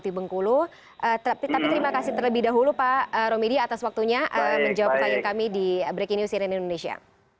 tapi terima kasih terlebih dahulu pak romedy atas waktunya menjawab pertanyaan kami di breaking news cnn indonesia